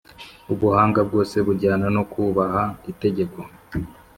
ubuhanga bwose bujyana no kubaha itegeko.